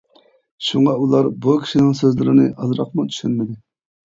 شۇڭا ئۇلار بۇ كىشىنىڭ سۆزلىرىنى ئازراقمۇ چۈشەنمىدى.